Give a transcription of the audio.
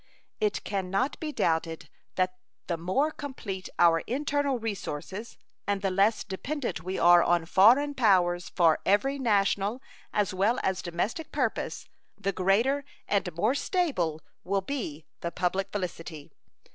It can not be doubted that the more complete our internal resources and the less dependent we are on foreign powers for every national as well as domestic purpose the greater and more stable will be the public felicity.